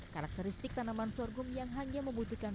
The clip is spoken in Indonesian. karakteristik tanaman sorghum yang hanya membutuhkan